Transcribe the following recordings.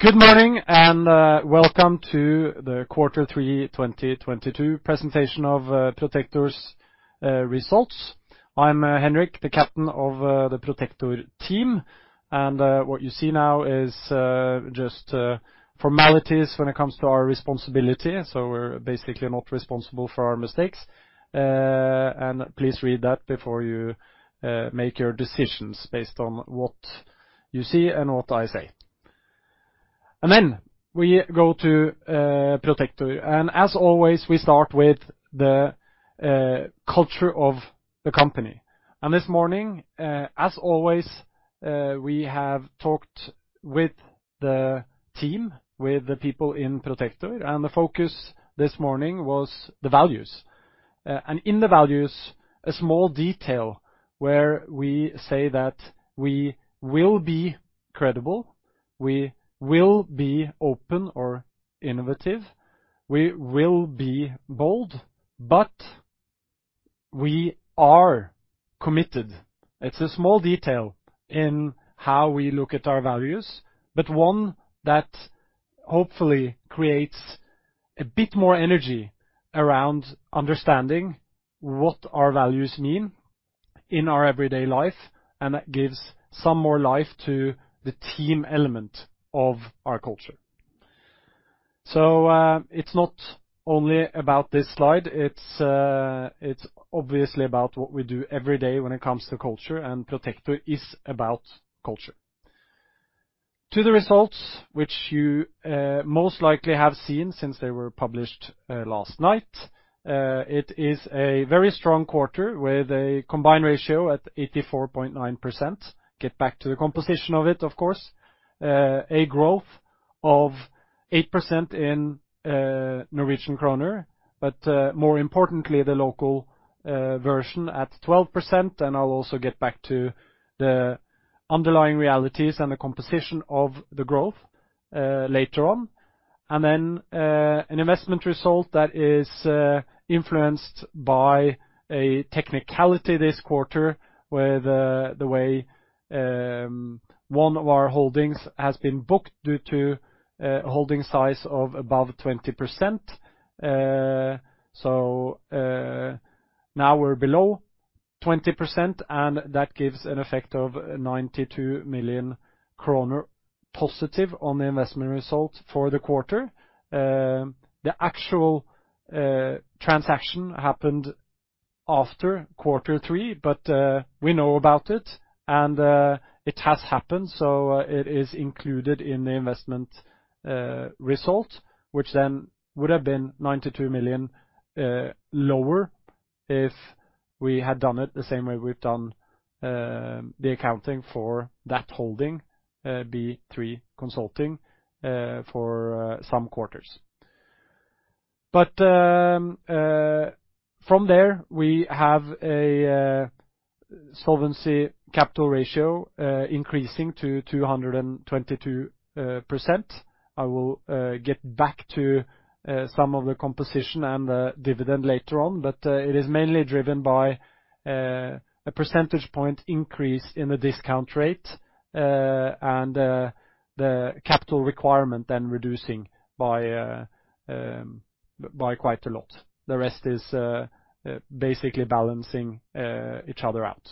Good morning and welcome to the Q3 2022 Presentation of Protector's Results. I'm Henrik, the captain of the Protector team. What you see now is just formalities when it comes to our responsibility. We're basically not responsible for our mistakes. Please read that before you make your decisions based on what you see and what I say. We go to Protector. As always, we start with the culture of the company. This morning, as always, we have talked with the team, with the people in Protector, and the focus this morning was the values. In the values, a small detail where we say that we will be credible, we will be open or innovative, we will be bold, but we are committed. It's a small detail in how we look at our values, but one that hopefully creates a bit more energy around understanding what our values mean in our everyday life, and that gives some more life to the team element of our culture. It's not only about this slide, it's obviously about what we do every day when it comes to culture, and Protector is about culture. To the results which you most likely have seen since they were published last night. It is a very strong quarter with a combined ratio at 84.9%. Get back to the composition of it, of course. A growth of 8% in Norwegian kroner, but more importantly, the local version at 12%, and I'll also get back to the underlying realities and the composition of the growth later on. An investment result that is influenced by a technicality this quarter with the way one of our holdings has been booked due to holding size of above 20%. Now we're below 20%, and that gives an effect of 92 million kroner positive on the investment result for the quarter. The actual transaction happened after quarter three, but we know about it and it has happened, so it is included in the investment result, which then would have been 92 million lower if we had done it the same way we've done the accounting for that holding, B3 Consulting, for some quarters. From there, we have a solvency capital ratio increasing to 222%. I will get back to some of the composition and the dividend later on, but it is mainly driven by a percentage point increase in the discount rate and the capital requirement then reducing by quite a lot. The rest is basically balancing each other out.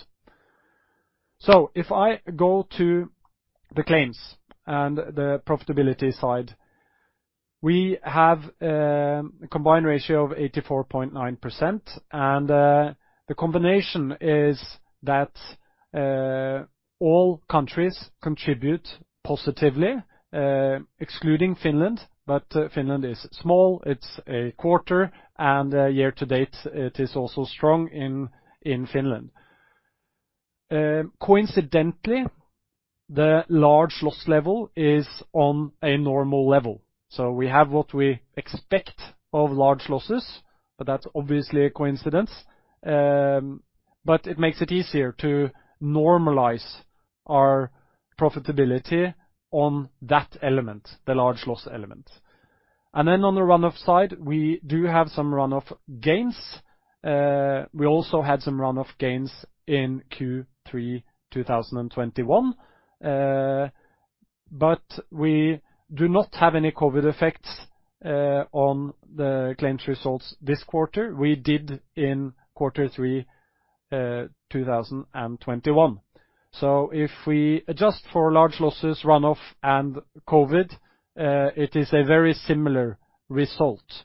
If I go to the claims and the profitability side, we have a combined ratio of 84.9%. The combination is that all countries contribute positively, excluding Finland. Finland is small, it's a quarter, and year-to-date, it is also strong in Finland. Coincidentally, the large loss level is on a normal level. We have what we expect of large losses, but that's obviously a coincidence. It makes it easier to normalize our profitability on that element, the large loss element. Then on the run off side, we do have some run off gains. We also had some run off gains in Q3, 2021. We do not have any COVID effects on the claims results this quarter. We did in quarter three, 2021. If we adjust for large losses, run off and COVID, it is a very similar result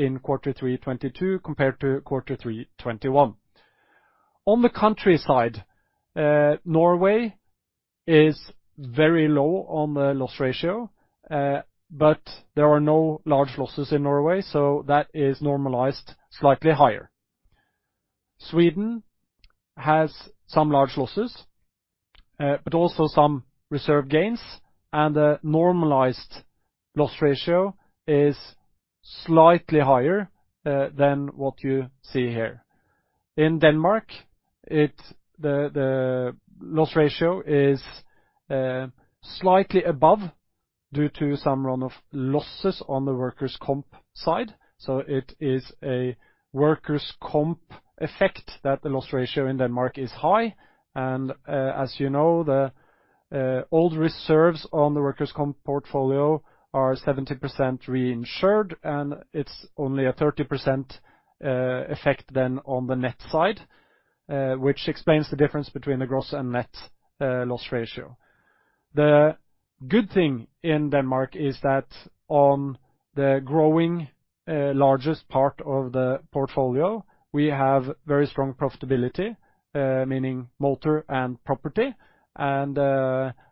in quarter three 2022 compared to quarter three 2021. On the country side, Norway is very low on the loss ratio, but there are no large losses in Norway, so that is normalized, slightly higher. Sweden has some large losses, but also some reserve gains, and a normalized loss ratio is slightly higher than what you see here. In Denmark, the loss ratio is slightly above due to some run-off losses on the workers' comp side. It is a workers' comp effect that the loss ratio in Denmark is high. As you know, the old reserves on the workers' comp portfolio are 70% reinsured, and it's only a 30% effect then on the net side, which explains the difference between the gross and net loss ratio. The good thing in Denmark is that on the growing largest part of the portfolio, we have very strong profitability, meaning motor and property.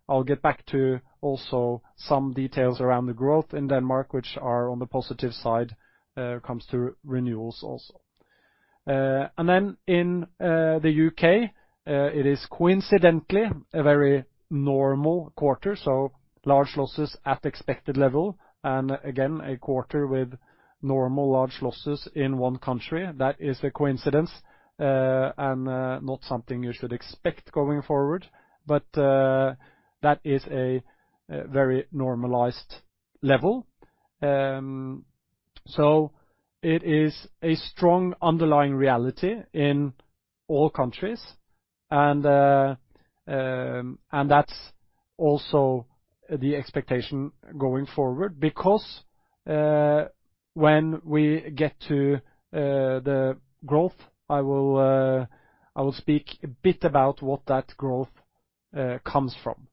I'll get back to also some details around the growth in Denmark, which are on the positive side when it comes to renewals also. In the U.K., it is coincidentally a very normal quarter, so large losses at expected level. Again, a quarter with normal large losses in one country. That is a coincidence, and not something you should expect going forward, but that is a very normalized level. It is a strong underlying reality in all countries. That's also the expectation going forward, because when we get to the growth, I will speak a bit about what that growth comes from.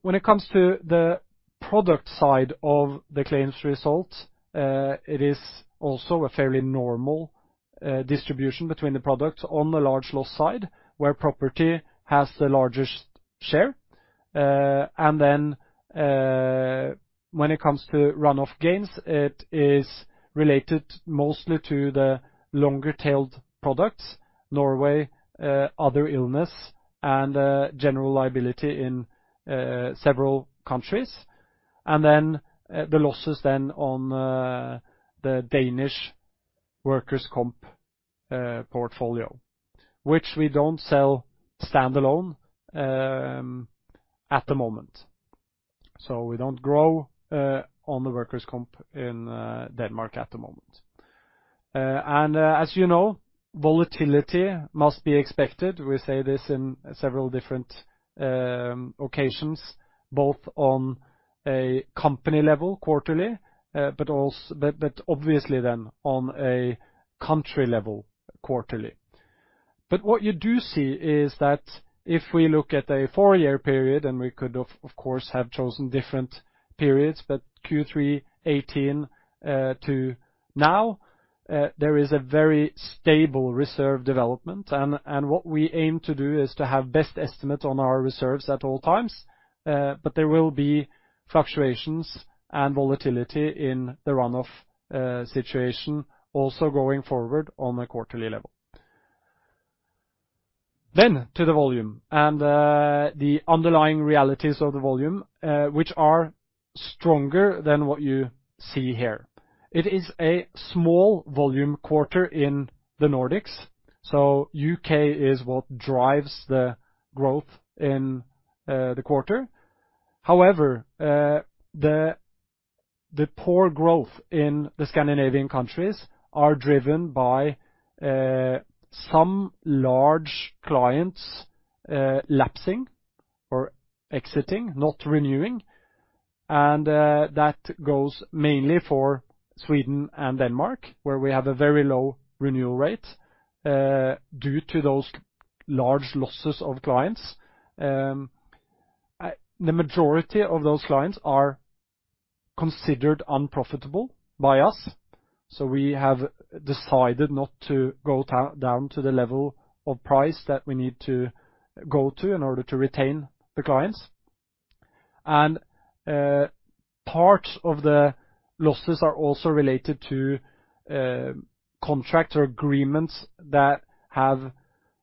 When it comes to the product side of the claims result, it is also a fairly normal distribution between the products on the large loss side, where property has the largest share. When it comes to run off gains, it is related mostly to the longer tailed products, Norway, other illness and general liability in several countries. The losses on the Danish workers' comp portfolio, which we don't sell standalone at the moment. We don't grow on the workers' comp in Denmark at the moment. As you know, volatility must be expected. We say this in several different occasions, both on a company level quarterly, but obviously then on a country level quarterly. What you do see is that if we look at a four-year period, and we could of course have chosen different periods, but Q3 2018 to now, there is a very stable reserve development. What we aim to do is to have best estimate on our reserves at all times, but there will be fluctuations and volatility in the runoff situation also going forward on a quarterly level. To the volume and the underlying realities of the volume, which are stronger than what you see here. It is a small volume quarter in the Nordics, so U.K. is what drives the growth in the quarter. However, the poor growth in the Scandinavian countries are driven by some large clients lapsing or exiting, not renewing. That goes mainly for Sweden and Denmark, where we have a very low renewal rate due to those large losses of clients. The majority of those clients are considered unprofitable by us, so we have decided not to go down to the level of price that we need to go to in order to retain the clients. Part of the losses are also related to contract or agreements that have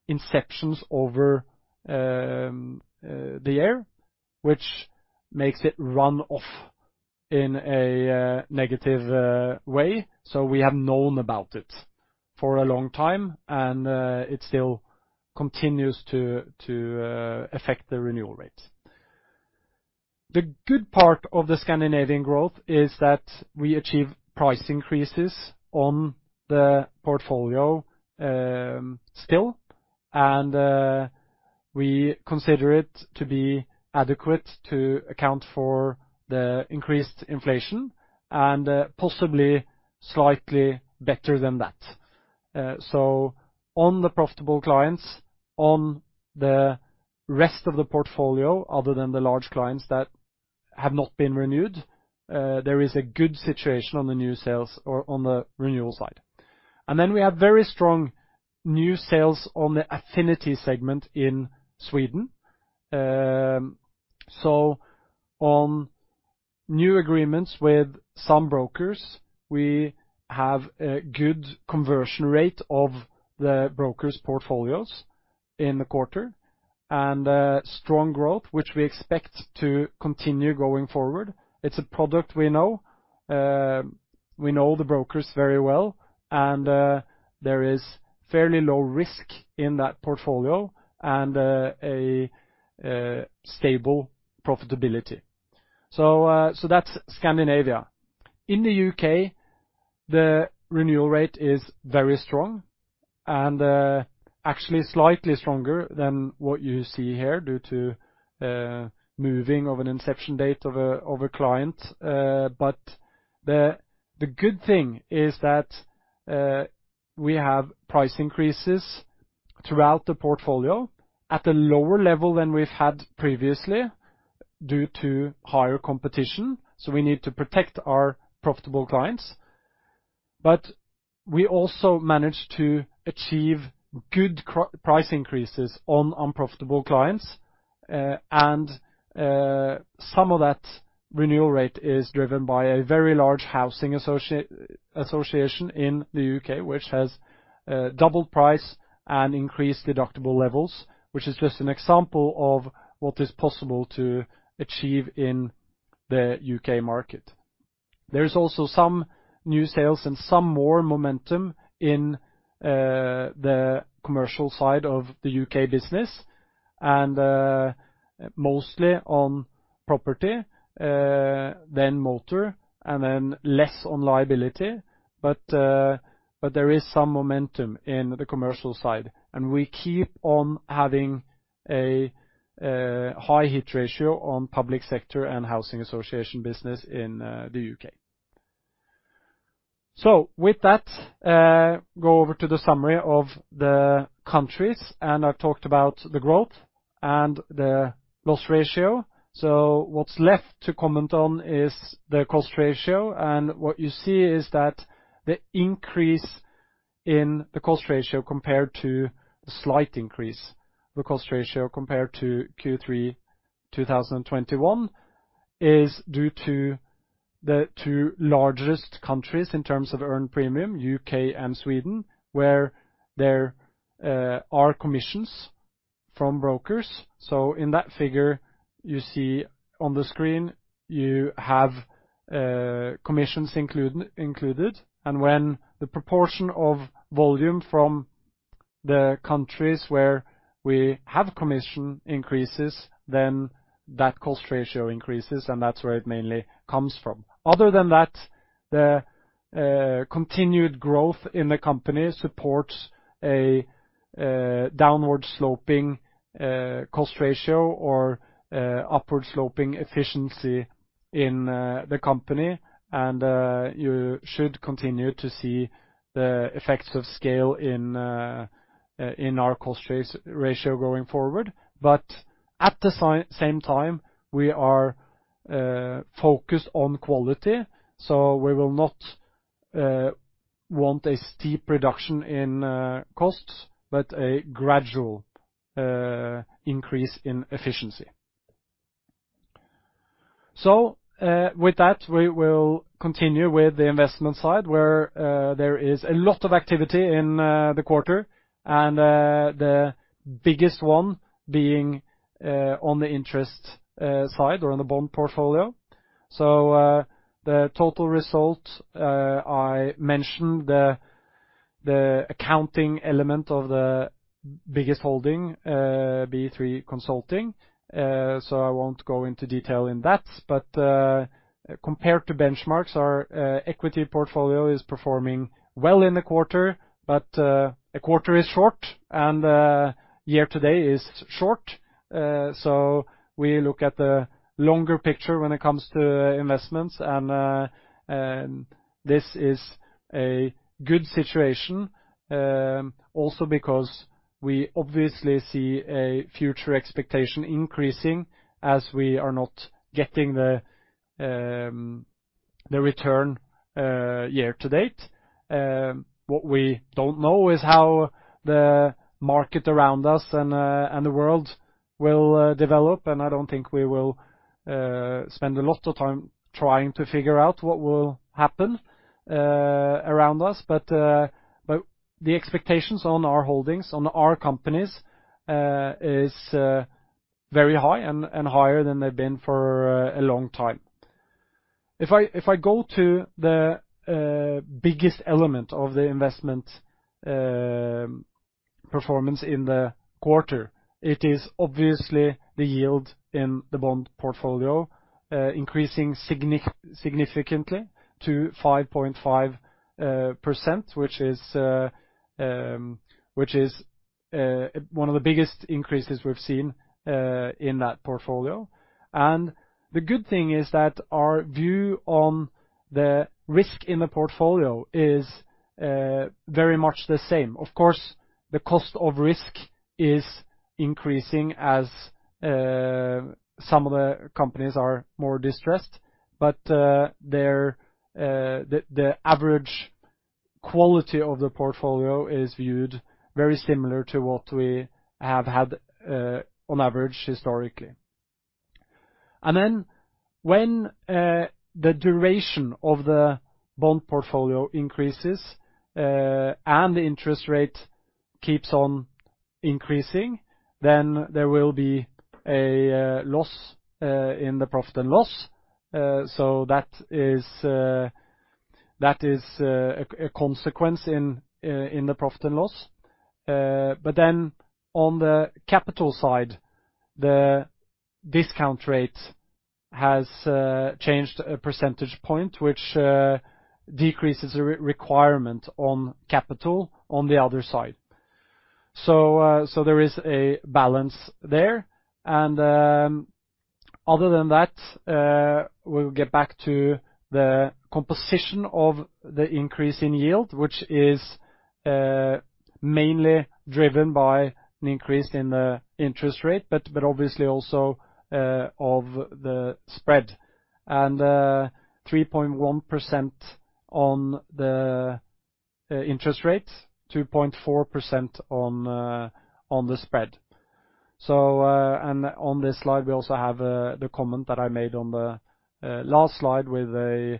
inceptions over the year, which makes it run off in a negative way. We have known about it for a long time, and it still continues to affect the renewal rates. The good part of the Scandinavian growth is that we achieve price increases on the portfolio still, and we consider it to be adequate to account for the increased inflation and possibly slightly better than that. On the profitable clients, on the rest of the portfolio, other than the large clients that have not been renewed, there is a good situation on the new sales or on the renewal side. We have very strong new sales on the affinity segment in Sweden. On new agreements with some brokers, we have a good conversion rate of the brokers' portfolios in the quarter and a strong growth, which we expect to continue going forward. It's a product we know. We know the brokers very well, and there is fairly low risk in that portfolio and a stable profitability. That's Scandinavia. In the U.K., the renewal rate is very strong and actually slightly stronger than what you see here due to moving of an inception date of a client. The good thing is that we have price increases throughout the portfolio at a lower level than we've had previously due to higher competition, so we need to protect our profitable clients. We also managed to achieve good price increases on unprofitable clients. Some of that renewal rate is driven by a very large housing association in the U.K., which has doubled price and increased deductible levels, which is just an example of what is possible to achieve in the U.K. market. There is also some new sales and some more momentum in the commercial side of the U.K. business, and mostly on property, then motor, and then less on liability. But there is some momentum in the commercial side, and we keep on having a high hit ratio on public sector and housing association business in the U.K. With that, go over to the summary of the countries, and I've talked about the growth and the loss ratio. What's left to comment on is the cost ratio. What you see is that the increase in the cost ratio compared to the slight increase in the cost ratio compared to Q3, 2021 is due to the two largest countries in terms of earned premium, U.K. and Sweden, where there are commissions from brokers. In that figure you see on the screen, you have commissions included. When the proportion of volume from the countries where we have commission increases, then that cost ratio increases, and that's where it mainly comes from. Other than that, the continued growth in the company supports a downward sloping cost ratio or upward sloping efficiency in the company. You should continue to see the effects of scale in our cost ratio going forward. At the same time, we are focused on quality, so we will not want a steep reduction in costs, but a gradual increase in efficiency. With that, we will continue with the investment side, where there is a lot of activity in the quarter, and the biggest one being on the interest side or on the bond portfolio. The total result, I mentioned the accounting element of the biggest holding, B3 Consulting, so I won't go into detail in that. Compared to benchmarks, our equity portfolio is performing well in the quarter, but a quarter is short and year-to-date is short. We look at the longer picture when it comes to investments, and this is a good situation also because we obviously see a future expectation increasing as we are not getting the return year-to-date. What we don't know is how the market around us and the world will develop, and I don't think we will spend a lot of time trying to figure out what will happen around us. The expectations on our holdings, on our companies, is very high and higher than they've been for a long time. If I go to the biggest element of the investment performance in the quarter, it is obviously the yield in the bond portfolio increasing significantly to 5.5%, which is one of the biggest increases we've seen in that portfolio. The good thing is that our view on the risk in the portfolio is very much the same. Of course, the cost of risk is increasing as some of the companies are more distressed, but the average quality of the portfolio is viewed very similar to what we have had on average historically. Then when the duration of the bond portfolio increases and the interest rate keeps on increasing, then there will be a loss in the profit and loss. That is a consequence in the profit and loss. Then on the capital side, the discount rate has changed a percentage point which decreases the requirement on capital on the other side. There is a balance there. Other than that, we'll get back to the composition of the increase in yield, which is mainly driven by an increase in the interest rate. Obviously also of the spread. 3.1% on the interest rate, 2.4% on the spread. On this slide, we also have the comment that I made on the last slide with a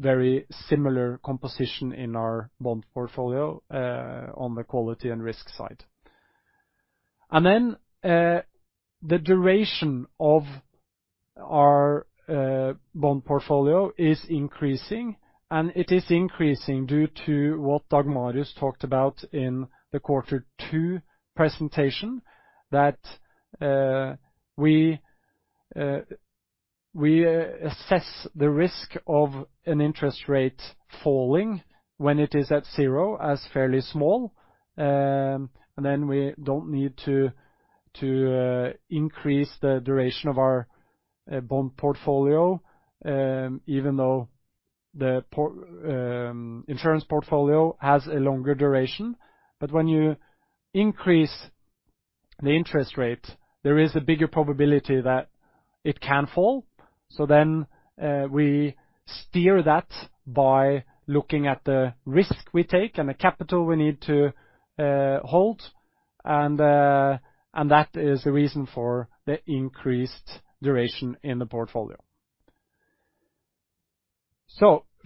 very similar composition in our bond portfolio on the quality and risk side. The duration of our bond portfolio is increasing, and it is increasing due to what Dag Marius talked about in the quarter two presentation, that we assess the risk of an interest rate falling when it is at zero as fairly small. We don't need to increase the duration of our bond portfolio, even though the insurance portfolio has a longer duration. When you increase the interest rate, there is a bigger probability that it can fall. We steer that by looking at the risk we take and the capital we need to hold, and that is the reason for the increased duration in the portfolio.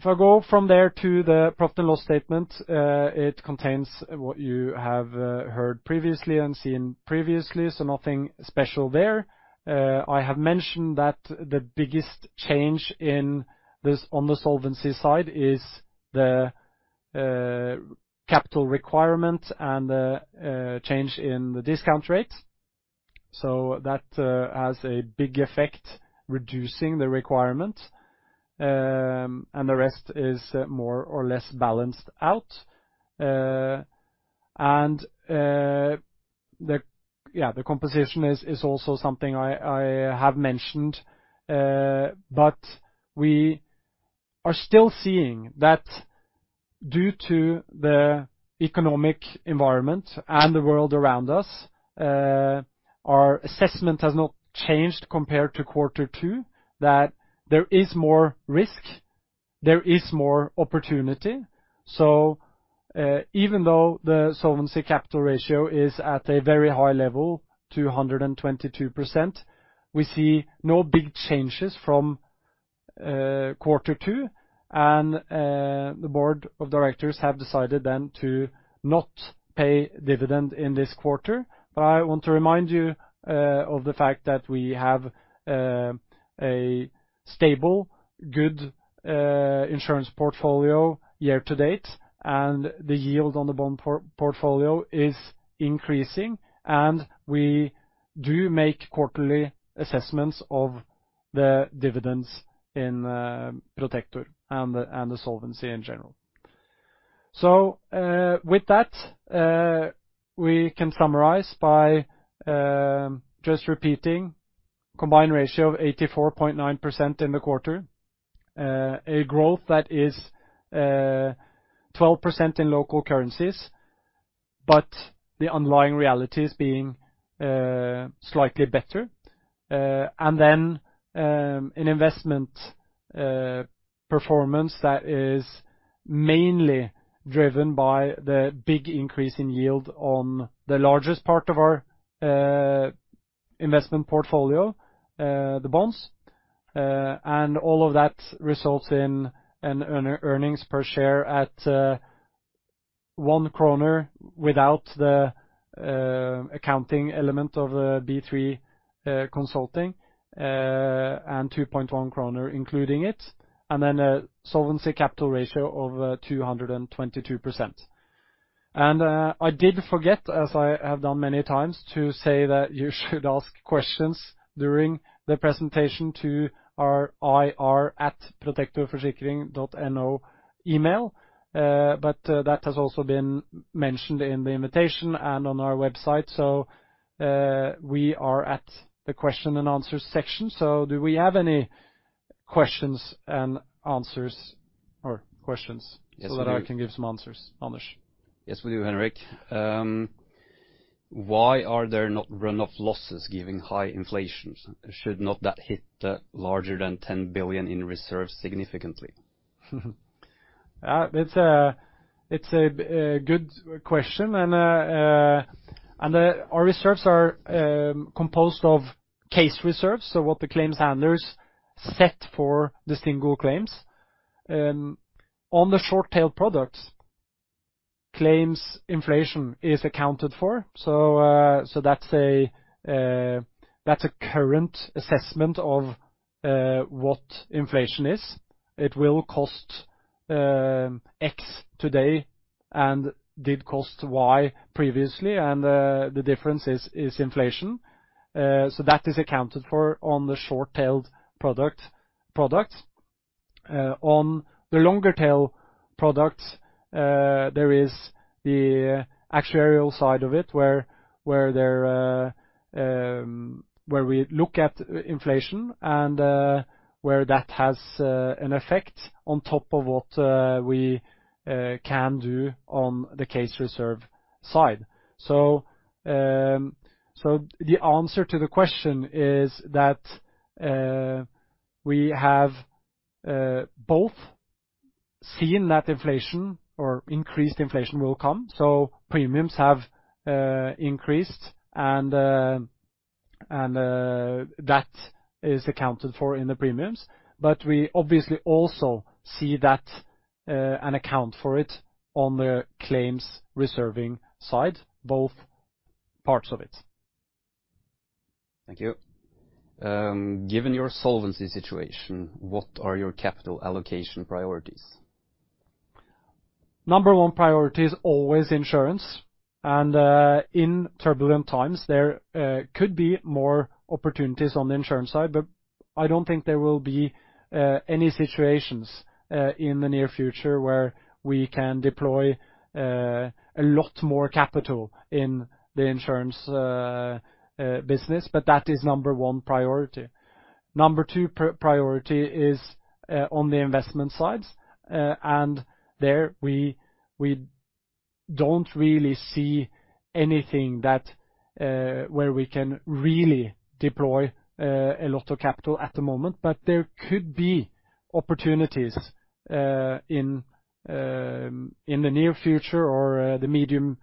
If I go from there to the profit and loss statement, it contains what you have heard previously and seen previously, so nothing special there. I have mentioned that the biggest change in this, on the solvency side is the capital requirement and the change in the discount rate. That has a big effect reducing the requirement, and the rest is more or less balanced out. The composition is also something I have mentioned. We are still seeing that due to the economic environment and the world around us, our assessment has not changed compared to quarter two, that there is more risk, there is more opportunity. Even though the solvency capital ratio is at a very high level, 222%, we see no big changes from quarter two. The Board of Directors have decided then to not pay dividend in this quarter. I want to remind you of the fact that we have a stable, good insurance portfolio year-to-date, and the yield on the bond portfolio is increasing, and we do make quarterly assessments of the dividends in Protector and the solvency in general. With that, we can summarize by just repeating combined ratio of 84.9% in the quarter. A growth that is 12% in local currencies, but the underlying reality is being slightly better. An investment performance that is mainly driven by the big increase in yield on the largest part of our investment portfolio, the bonds. All of that results in earnings per share at 1 kroner without the accounting element of the B3 Consulting and 2.1 kroner including it, and then a solvency capital ratio of 222%. I did forget, as I have done many times, to say that you should ask questions during the presentation to our ir@protectorforsikring.no email. That has also been mentioned in the invitation and on our website. We are at the question and answer section. Do we have any questions and answers or questions so that I can give some answers? Amund? Yes, we do, Henrik. Why are there not run-off losses given high inflation? Should not that hit larger than 10 billion in reserves significantly? It's a good question. Our reserves are composed of case reserves, so what the claims handlers set for the single claims. On the short tail products, claims inflation is accounted for. That's a current assessment of what inflation is. It will Cost X today and did Cost Y previously, and the difference is inflation. That is accounted for on the short-tailed product. On the longer tail products, there is the actuarial side of it where we look at inflation and where that has an effect on top of what we can do on the case reserve side. The answer to the question is that we have both seen that inflation or increased inflation will come. Premiums have increased and that is accounted for in the premiums. We obviously also see that and account for it on the claims reserving side, both parts of it. Thank you. Given your solvency situation, what are your capital allocation priorities? Number one priority is always insurance, and in turbulent times there could be more opportunities on the insurance side, but I don't think there will be any situations in the near future where we can deploy a lot more capital in the insurance business, but that is number one priority. Number two priority is on the investment side. There we don't really see anything where we can really deploy a lot of capital at the moment. There could be opportunities in the near future or the medium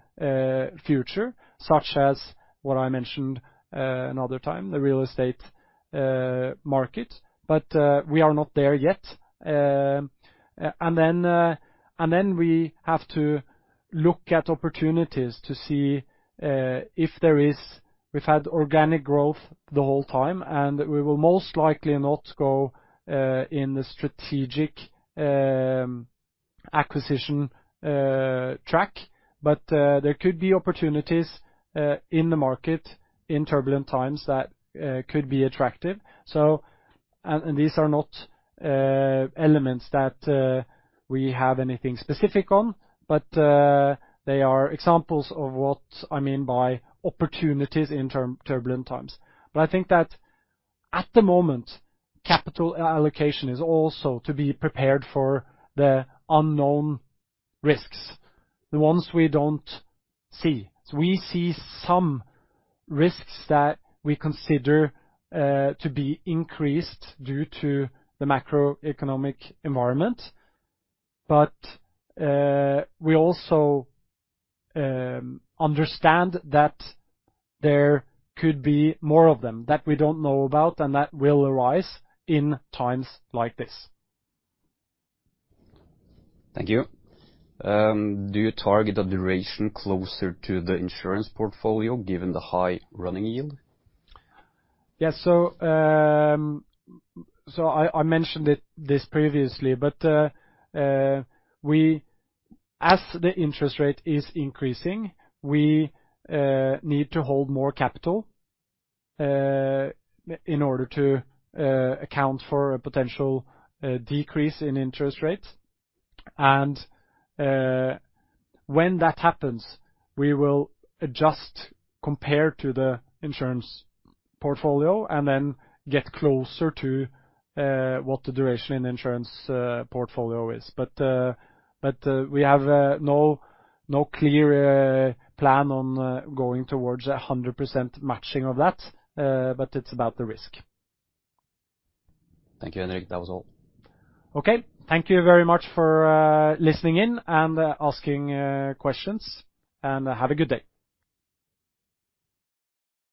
future, such as what I mentioned another time, the real estate market. We are not there yet. Then we have to look at opportunities to see if there is. We've had organic growth the whole time, and we will most likely not go in the strategic acquisition track. There could be opportunities in the market in turbulent times that could be attractive. These are not elements that we have anything specific on, but they are examples of what I mean by opportunities in turbulent times. I think that at the moment, capital allocation is also to be prepared for the unknown risks, the ones we don't see. We see some risks that we consider to be increased due to the macroeconomic environment. We also understand that there could be more of them that we don't know about and that will arise in times like this. Thank you. Do you target a duration closer to the insurance portfolio given the high running yield? Yeah. I mentioned this previously, but as the interest rate is increasing, we need to hold more capital in order to account for a potential decrease in interest rates. When that happens, we will adjust compared to the insurance portfolio and then get closer to what the duration in insurance portfolio is. We have no clear plan on going towards 100% matching of that, but it's about the risk. Thank you, Henrik. That was all. Okay. Thank you very much for listening in and asking questions. Have a good day.